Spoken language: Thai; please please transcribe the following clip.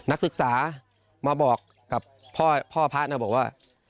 นักศึกษามาบอกกับพ่อพระนะบอกว่า